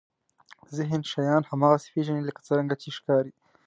ذهن شیان هماغسې پېژني لکه څرنګه چې ښکاري.